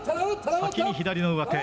先に左の上手。